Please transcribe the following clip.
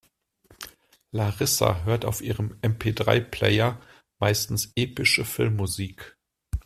Larissa hört auf ihrem MP-drei-Player meistens epische Filmmusik.